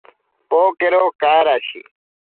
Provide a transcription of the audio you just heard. Pokero karashi.